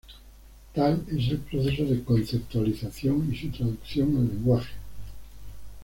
Tal es el proceso de conceptualización y su traducción al lenguaje.